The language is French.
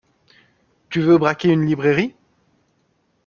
Tu veux braquer une librairie ?